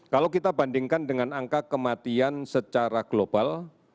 kalau kita bandingkan dengan angka kematian secara global